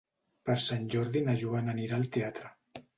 Per Sant Jordi na Joana anirà al teatre.